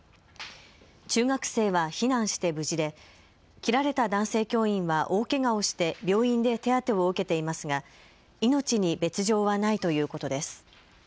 中学生は避難して無事で切られた男性教員は大けがをして病院で手当てを受けていますが命に別状はないということです。